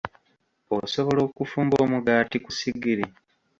Osobola okufumba omugaati ku ssigiri?